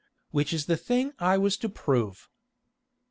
Which is the thing I was to prove.